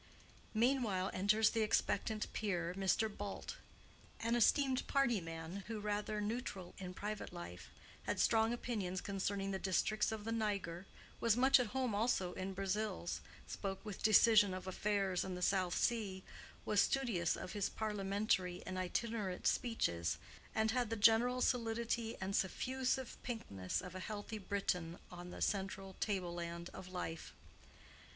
Meanwhile enters the expectant peer, Mr. Bult, an esteemed party man who, rather neutral in private life, had strong opinions concerning the districts of the Niger, was much at home also in Brazils, spoke with decision of affairs in the South Seas, was studious of his Parliamentary and itinerant speeches, and had the general solidity and suffusive pinkness of a healthy Briton on the central table land of life.